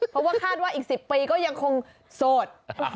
เพราะว่าคาดว่าอีก๑๐ปีก็ยังคงโสด